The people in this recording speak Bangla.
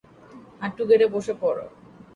হাঁটু গেড়ে বসে পড়ো।